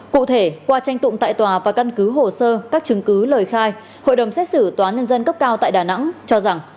cụ thể qua tranh tụng tại tòa và căn cứ hồ sơ các chứng cứ lời khai hội đồng xét xử tòa nhân dân cấp cao tại đà nẵng cho rằng